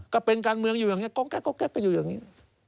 ก็เป็นการเมืองอยู่อย่างนี้